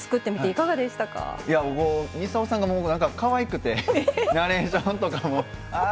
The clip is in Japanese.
いやもう操さんがかわいくてナレーションとかも「あ！」